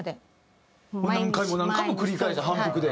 何回も何回も繰り返して反復で。